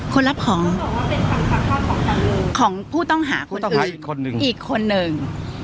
คนรับของของผู้ต้องหาคนอื่นผู้ต้องหาอีกคนหนึ่งอีกคนหนึ่ง